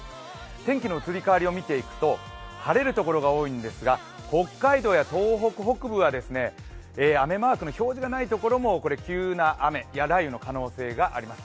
天気の移り変わりを見ていくと晴れるところが多いんですが、北海道や東北北部は雨マークの表示がないところも急な雨や雷雨の可能性があります。